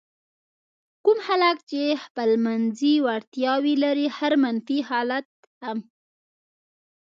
کوم خلک چې خپلمنځي وړتیاوې لري هر منفي حالت هم.